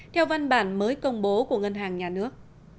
theo văn bản mới công bố của ngân hàng nhà nước